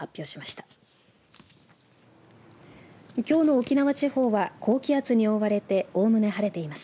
沖縄地方は高気圧に覆われておおむね晴れています。